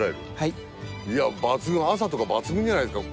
いや抜群朝とか抜群じゃないですか。